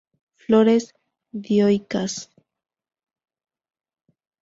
Flores dioicas.